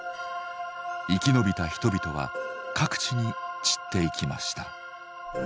生き延びた人々は各地に散っていきました。